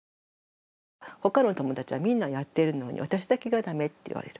他の友達はみんなやってるのに私だけがダメって言われる。